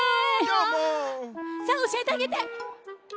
さあおしえてあげて！